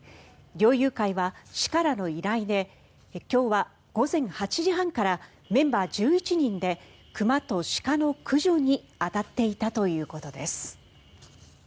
猟友会は市からの依頼で今日は午前８時半からメンバー１１人で熊と鹿の駆除に当たっていたということです。